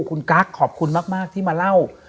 คุณกั๊กขอบคุณมากที่มาเล่า